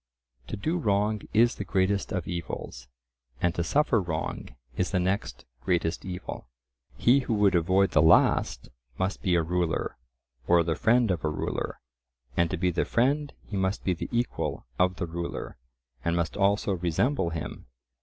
To do wrong is the greatest of evils, and to suffer wrong is the next greatest evil. He who would avoid the last must be a ruler, or the friend of a ruler; and to be the friend he must be the equal of the ruler, and must also resemble him.